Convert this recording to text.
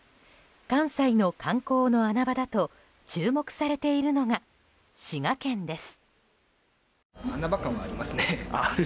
関西の観光の穴場だと注目されているのが滋賀県です。